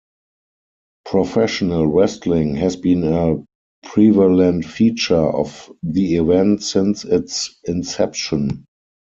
Professional wrestling has been a prevalent feature of the event since its inception.